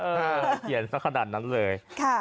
เขียนสักขนาดนั้นเลย